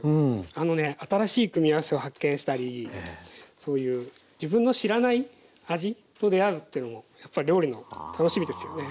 あのね新しい組み合わせを発見したりそういう自分の知らない味と出合うってのもやっぱり料理の楽しみですよね。